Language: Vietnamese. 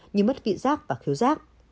như mất vị giác và khiếu giác